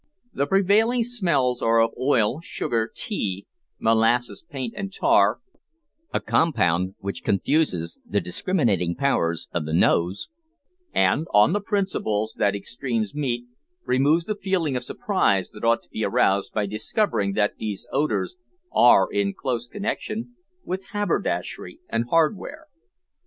The prevailing smells are of oil, sugar, tea, molasses, paint, and tar, a compound which confuses the discriminating powers of the nose, and, on the principle that extremes meet, removes the feeling of surprise that ought to be aroused by discovering that these odours are in close connexion with haberdashery and hardware.